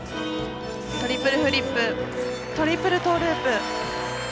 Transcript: トリプルフリップトリプルトーループ。